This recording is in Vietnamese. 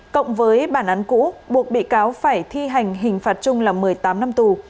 cộng với bản án cũ buộc bị cáo phải thi hành hình phạt chung là một mươi tám năm tù